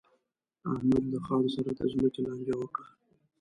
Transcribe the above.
احمد له خان سره د ځمکې لانجه وکړه.